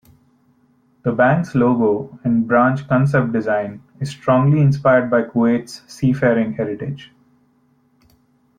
The Bank's logo and branch concept design is strongly inspired by Kuwait's seafaring heritage.